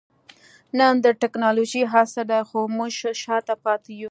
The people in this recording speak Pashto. نن د ټکنالوجۍ عصر دئ؛ خو موږ شاته پاته يو.